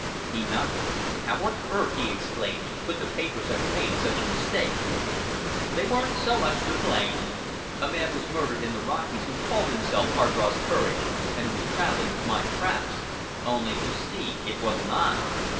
He nodded. "How on earth," he exclaimed, "could the papers have made such a mistake?" "They weren't so much to blame. A man was murdered in the Rockies who called himself Hardross Courage, and who was travelling with my traps. Only you see it wasn't I!"